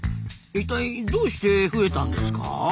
いったいどうして増えたんですか？